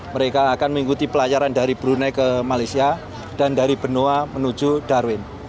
mereka akan mengikuti pelayaran dari brunei ke malaysia dan dari benoa menuju darwin